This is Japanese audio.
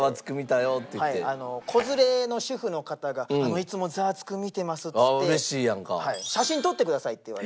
あの子連れの主婦の方が「いつも『ザワつく！』見てます」って言って「写真撮ってください」って。